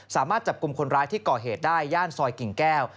สามารถจับกลุ่มคนร้ายที่ก่อเหตุได้ย่านซอยกิ่งแก้ว